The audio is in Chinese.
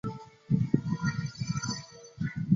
生卒于慕尼黑。